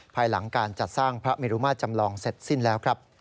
ภายหลังการจัดสร้างพระเมรุมาตรจำลองเสร็จสิ้นแล้วครับ